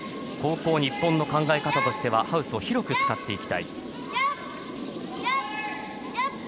後攻日本の考え方としてはハウスを広く使っていきたい。